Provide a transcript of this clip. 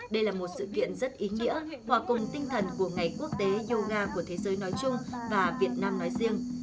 đây là một sự kiện rất ý nghĩa hòa cùng tinh thần của ngày quốc tế yoga của thế giới nói chung và việt nam nói riêng